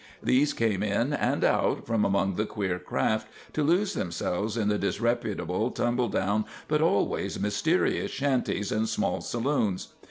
These came in and out from among the queer craft, to lose themselves in the disreputable, tumble down, but always mysterious shanties and small saloons.